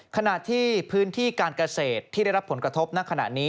ขณะที่พื้นที่การเกษตรที่ได้รับผลกระทบณขณะนี้